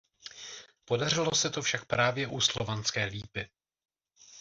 Podařilo se to však právě u Slovanské lípy.